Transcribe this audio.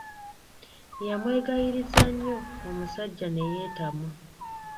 Yamwegayiriza nnyo omusajja ne yeetamwa.